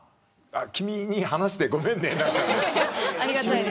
君に話してごめんね。